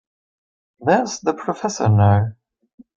There's the professor now.